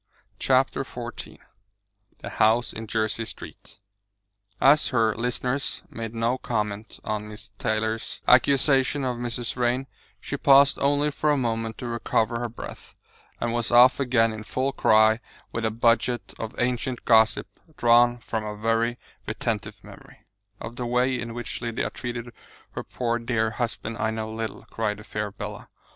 CHAPTER XIV THE HOUSE IN JERSEY STREET As her listeners made no comment on Miss Tyler's accusation of Mrs. Vrain, she paused only for a moment to recover her breath, and was off again in full cry with a budget of ancient gossip drawn from a very retentive memory. "Of the way in which Lydia treated her poor dear husband I know little," cried the fair Bella.